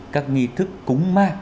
các nghi thức cúng ma